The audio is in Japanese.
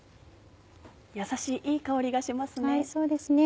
やさしいいい香りがしますね。